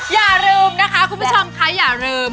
อย่าลืมนะคะคุณผู้ชมค่ะอย่าลืม